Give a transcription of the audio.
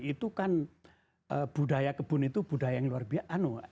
itu kan budaya kebun itu budaya yang luar biasa